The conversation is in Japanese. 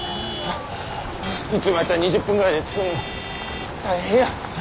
いつもやったら２０分ぐらいで着くのに大変や。